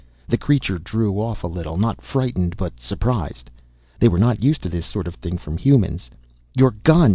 The creature drew off a little, not frightened but surprised. They were not used to this sort of thing from humans. "Your gun!"